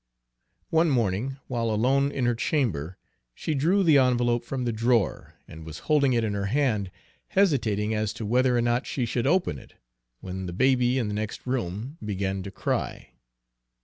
One morning, while alone in her chamber, she drew the envelope from the drawer, and was holding it in her hand, hesitating as to whether or not she should open it, when the baby in the next room began to cry.